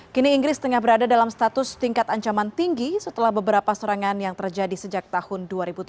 kini inggris tengah berada dalam status tingkat ancaman tinggi setelah beberapa serangan yang terjadi sejak tahun dua ribu tujuh belas